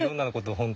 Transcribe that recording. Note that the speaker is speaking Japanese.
本当？